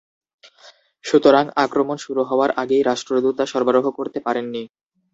সুতরাং আক্রমণ শুরু হওয়ার আগেই রাষ্ট্রদূত তা সরবরাহ করতে পারেননি।